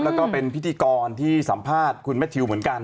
แล้วก็เป็นพิธีกรที่สัมภาษณ์คุณแมททิวเหมือนกัน